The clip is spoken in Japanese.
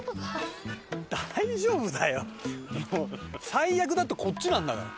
最悪だってこっちなんだから。